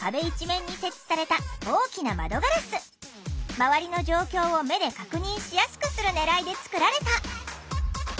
周りの状況を目で確認しやすくするねらいで作られた。